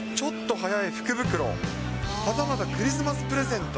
はたまたクリスマスプレゼント。